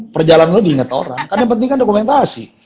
perjalanan lu diinget orang karena yang penting kan dokumentasi